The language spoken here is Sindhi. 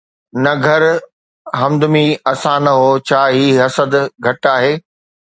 نه گھر حمدمي اسان 'نه هو' ڇا هي حسد گهٽ آهي؟